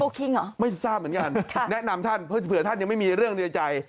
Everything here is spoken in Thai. โฟล์คิงเหรอแนะนำท่านเผื่อท่านยังไม่มีเรื่องในใจ